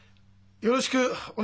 よろしくね。